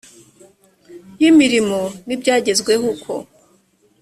y imirimo n ibyagezweho uko